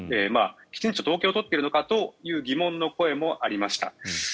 きちんと統計を取っているのかという疑問の声もありました。